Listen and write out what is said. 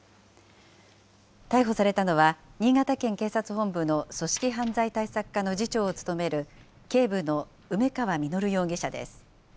逮捕されたのは、新潟県警察本部の組織犯罪対策課の次長を務める、警部の梅川稔容疑者です。